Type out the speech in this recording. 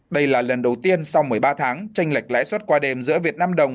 đây là lần đầu tiên sau một mươi ba tháng tranh lệch lãi suất qua đêm giữa việt nam đồng